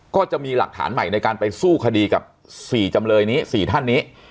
ก็จะมีหลักฐานใหม่ในการไปสู้คดีกับ๔ท่านนี้